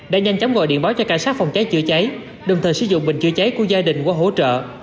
đã nhanh chóng gọi điện báo cho cảnh sát phòng cháy chữa cháy đồng thời sử dụng bình chữa cháy của gia đình qua hỗ trợ